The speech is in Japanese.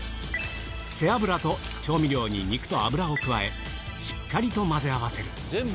背脂と、調味料に肉と油を加え、しっかりと混ぜ合わせる。